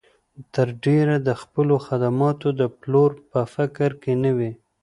تر ډېره د خپلو خدماتو د پلور په فکر کې نه وي.